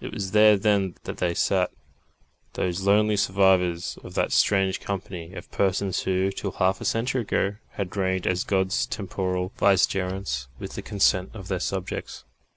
It was there then that they sat those lonely survivors of that strange company of persons who, till half a century ago, had reigned as God's temporal Vicegerents with the consent of their subjects.